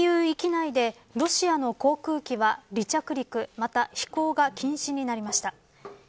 ＥＵ域内で、ロシアの航空機は離着陸また飛行が禁止になりました。